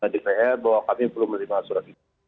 dpr bahwa kami belum menerima surat itu